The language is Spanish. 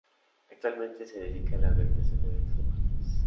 Actualmente se dedica a la organización de eventos deportivos.